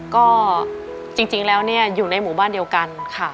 ก็จริงแล้วอยู่ในหมู่บ้านเดียวกันค่ะ